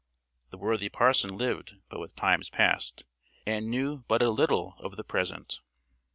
[E] The worthy parson lived but with times past, and knew but a little of the present.